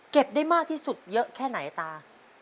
ได้มากที่สุดเยอะแค่ไหนตา